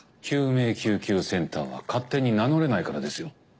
救命救急センターは勝手に名乗れないからですよ。